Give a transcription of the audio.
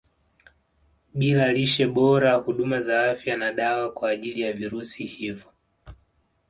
Bila lishe bora huduma za afya na dawa kwa ajili ya virusi hivo